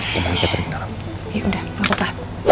ya udah gak apa apa